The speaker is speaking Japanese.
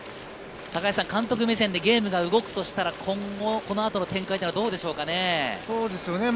監督目線でゲームが動くとしたら、この後の展開はどうでしょうかね。